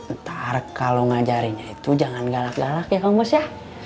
ntar kalo ngajarinnya itu jangan galak galak ya kambos ya